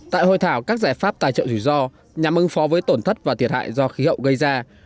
tại hội thảo các giải pháp tài trợ rủi ro nhằm ứng phó với tổn thất và thiệt hại do khí hậu gây ra